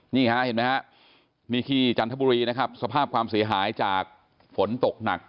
นี่ฮะเห็นไหมฮะนี่ที่จันทบุรีนะครับสภาพความเสียหายจากฝนตกหนัก